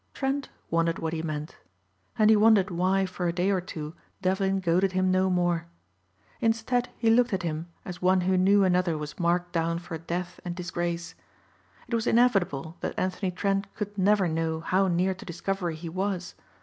Trent wondered what he meant. And he wondered why for a day or two Devlin goaded him no more. Instead he looked at him as one who knew another was marked down for death and disgrace. It was inevitable that Anthony Trent could never know how near to discovery he was.